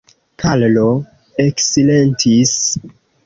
Karlo eksilentis.